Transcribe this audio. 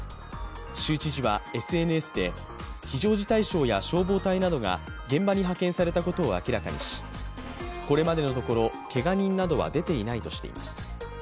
州知事はＳＮＳで、非常事態省や消防隊などが現場に派遣されたことを明らかにし、これまでのところ、けが人などは出ていないとしています。